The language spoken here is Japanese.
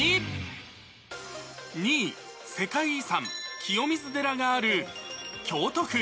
２位、世界遺産、清水寺がある京都府。